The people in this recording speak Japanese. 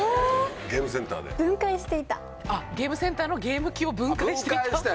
ゲームセンターのゲーム機を分解していた？